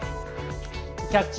「キャッチ！